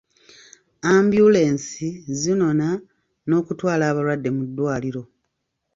Ambyulensi zinona n'okutwala abalwadde mu ddwaliro.